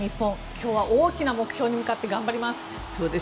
今日は大きな目標に向かって頑張ります。